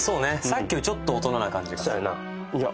さっきよりちょっと大人な感じそやないや